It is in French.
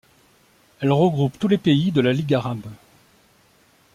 Elle regroupe tous les pays de la Ligue arabe.